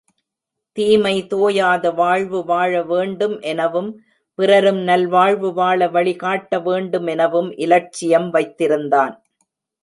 தீமை தோயாத வாழ்வு வாழவேண்டும் எனவும் பிறரும் நல்வாழ்வு வாழ வழி காட்டவேண்டும் எனவும் இலட்சியம் வைத்திருந்தான்.